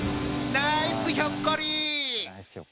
ナイスひょっこり。